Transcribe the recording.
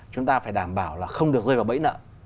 chúng ta phải đảm bảo là không được rơi vào bẫy nợ